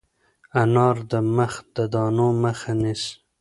انار د مخ د دانو مخه نیسي.